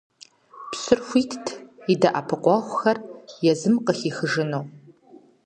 Пщыр хуитт и дэӀэпыкъуэгъухэр езым къыхихыжыну.